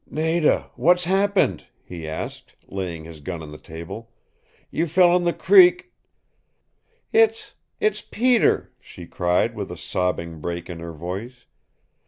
"Nada, what's happened?" he asked, laying his gun on the table. "You fell in the creek " "It it's Peter," she cried, with a sobbing break in her voice.